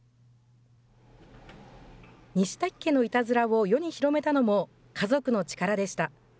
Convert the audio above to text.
西滝家のいたずらを世に広めたのも家族の力でした。